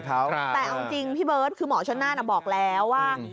แต่จะจริงพี่เบิร์ตหมอชนานบอกแล้วว่า